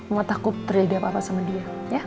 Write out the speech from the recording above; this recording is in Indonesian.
mau takut terjadi apa apa sama dia